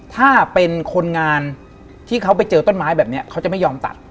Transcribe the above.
ถ้าเป็นคนงานที่เขาไปเจอต้นไม้แบบนี้เขาจะไม่ยอมตัด